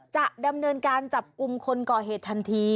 จะดำเนินการจับกลุ่มคนก่อเหตุทันที